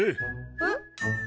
えっ？